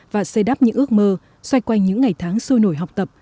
và xây đắp những ước mơ xoay quanh những ngày tháng sôi nổi học tập